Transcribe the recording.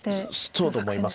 そうだと思います。